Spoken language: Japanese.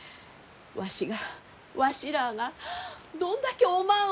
わしがわしらあがどんだけおまんを。